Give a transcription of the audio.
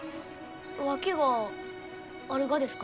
訳があるがですか？